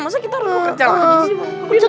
masa kita harus kerja lagi sih bang